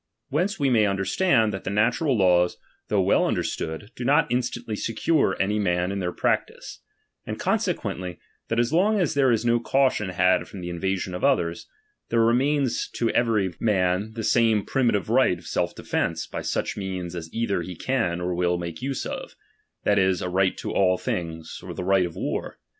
WTience we may understand, that the natural laws, though well understood, do not in stantly secure any man in their practice ; and con sequently, that as long as there is no caution had from the invasion of others, there remains to every I L , man that same primitive right of self defence by such means as either he can or will make use of, that is, a right to all things, or the right of war.